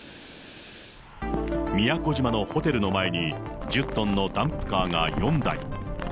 宮古島のホテルの前に、１０トンのダンプカーが４台。